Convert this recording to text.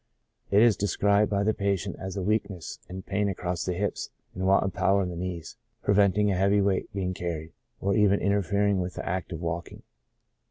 It is described by the patient as a weakness and pain across the hips, and want of power in the knees, preventing a heavy weight being carried, or even interfering with the act of walking.